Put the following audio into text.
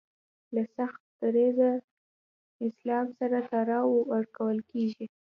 له سخت دریځه اسلام سره تړاو ورکول کیږي